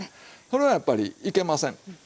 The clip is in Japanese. それはやっぱりいけません。